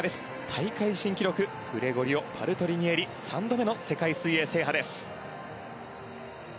大会新記録グレゴリオ・パルトリニエリ３度目の世界水泳制覇です。